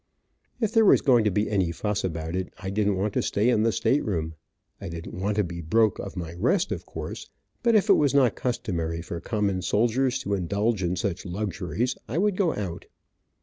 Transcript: If there was going to be any fuss about it, I didn't want to stay in the state room. I didn't want to be broke of my rest, of course, but if it was not customary for common soldiers to indulge in such luxuries, I would go out.